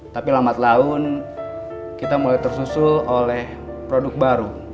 tapi lambat laun kita mulai tersusul oleh produk baru